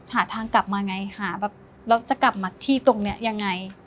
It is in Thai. หาทางกลับมาไงหาแบบแล้วจะกลับมาที่ตรงนี้ยังไง